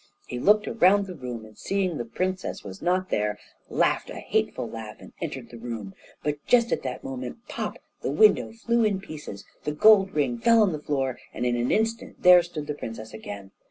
He looked round the room, and seeing the princess was not there, laughed a hateful laugh and entered the room. But just at that moment, pop! the window flew in pieces, the gold ring fell on the floor, and in an instant there stood the princess again.